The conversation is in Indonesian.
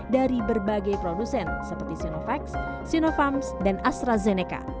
dari berbagai produsen seperti sinovax sinovams dan astrazeneca